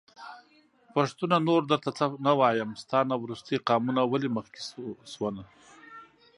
پښتونه نور درته څه نه وايم.. ستا نه وروستی قامونه ولي مخکې شو نه